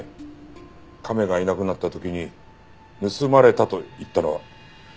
亀がいなくなった時に「盗まれた」と言ったのは。